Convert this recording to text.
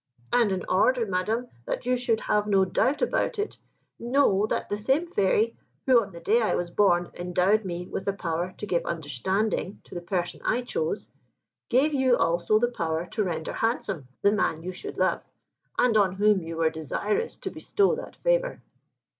And in order, Madam, that you should have no doubt about it, know that the same fairy, who, on the day I was born, endowed me with the power to give understanding to the person I chose, gave you also the power to render handsome the man you should love, and on whom you were desirous to bestow that favour."